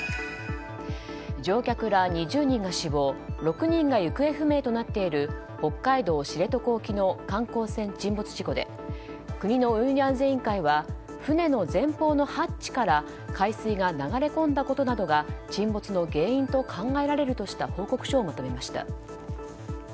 乗客ら２０人が死亡６人が行方不明となっている北海道知床沖の観光船沈没事故で国の運輸安全委員会は船の前方のハッチから海水が流れ込んだことなどが沈没の原因と考えられるとした報告書をまとめました。